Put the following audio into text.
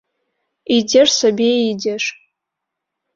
Ідзеш сабе і ідзеш.